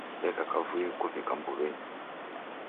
Deka kavui kuvika mbuwenyi.